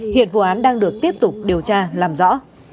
hiện vụ án đang được tiếp tục điều tra làm rõ